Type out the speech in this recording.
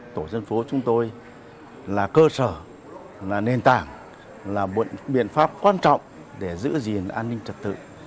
tổ dân phố chúng tôi là cơ sở là nền tảng là một biện pháp quan trọng để giữ gìn an ninh trật tự